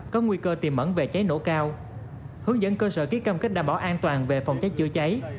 có nguy cơ tiềm mẩn về cháy nổ cao hướng dẫn cơ sở ký cam kết đảm bảo an toàn về phòng cháy chữa cháy